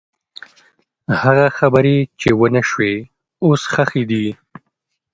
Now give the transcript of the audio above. هغه خبرې چې ونه شوې، اوس ښخې دي.